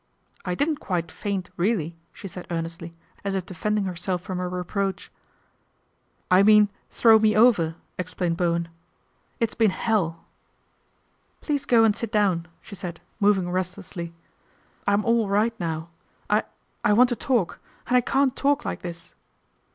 ' I didn't quite faint, really," she said earnestly, as if defending herself from a reproach. " I mean throw me over," explained Bowen, "It's been hell!" " Please go and sit down," she said, moving restlessly. "I'm all right now. I I want to talk and I can't talk like this."